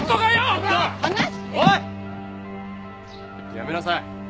やめなさい。